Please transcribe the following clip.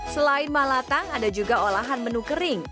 selain malatang ada juga olahan menu kering